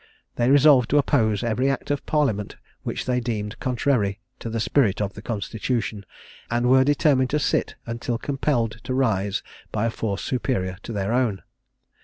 They resolved to oppose every act of Parliament which they deemed contrary to the spirit of the Constitution, and were determined to sit, until compelled to rise by a force superior to their own.